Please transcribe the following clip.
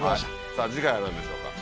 さぁ次回は何でしょうか？